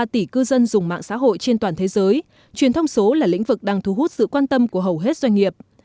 với hai mươi năm tỷ thiết bị kết nối internet ba ba tỷ cư dân dùng mạng xã hội trên toàn thế giới truyền thông số là lĩnh vực đang thu hút sự quan tâm của hầu hết doanh nghiệp